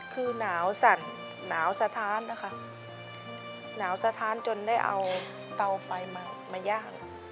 คือหนาวสั่นหนาวสะท้านนะคะหนาวสะท้านจนได้เอาเตาไฟมาย่าง